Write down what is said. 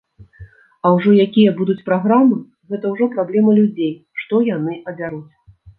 А ўжо якія будуць праграмы, гэта ўжо праблема людзей, што яны абяруць.